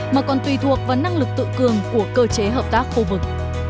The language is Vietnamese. mà còn tùy thuộc vào năng lực tự cường của cơ chế hợp tác khu vực